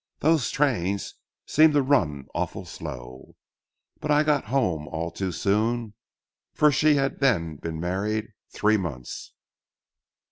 Those trains seemed to run awful slow. But I got home all too soon, for she had then been married three months.